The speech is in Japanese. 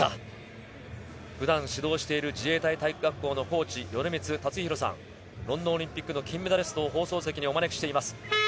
普段、指導している自衛隊体育学校のコーチ・米満達弘さん、ロンドンオリンピックの金メダリストを放送席にお招きしています。